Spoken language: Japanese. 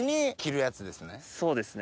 そうですね。